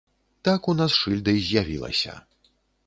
Так у нас шыльда і з'явілася.